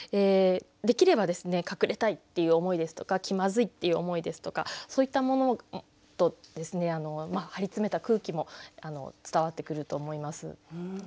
できれば隠れたいっていう思いですとか気まずいっていう思いですとかそういったものと張り詰めた空気も伝わってくると思います。